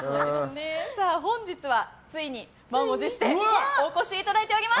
本日はついに満を持してお越しいただいております。